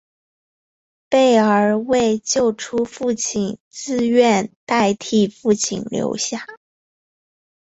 贝儿为救出父亲自愿代替父亲留下。